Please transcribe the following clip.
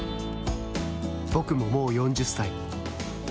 僕ももう４０歳。